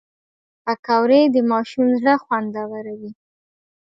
پکورې د ماشوم زړه خوندوروي